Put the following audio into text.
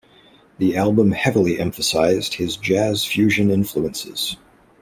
The album heavily emphasised his jazz fusion influences.